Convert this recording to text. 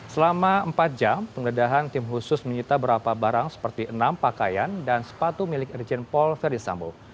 selama empat jam penggeledahan tim khusus menyita berapa barang seperti enam pakaian dan sepatu milik irjen paul verdi sambo